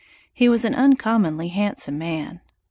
He was an uncommonly handsome man.